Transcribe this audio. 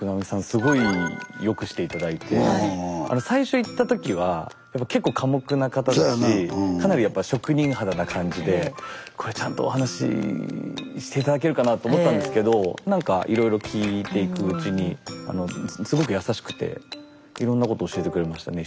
すごい良くして頂いて最初行った時はやっぱ結構寡黙な方だしかなりやっぱ職人肌な感じでこれちゃんとお話しして頂けるかなと思ったんですけどなんかいろいろ聞いていくうちにすごく優しくていろんなこと教えてくれましたね